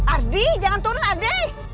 ardi jangan turun ardi